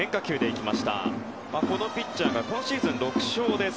このピッチャーが今シーズン６勝です。